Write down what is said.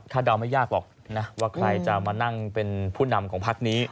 ถ้าเดาไม่ยากหรอกนะว่าใครจะมานั่งเป็นผู้นำของพักนี้